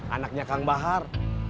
anaknya kang bahar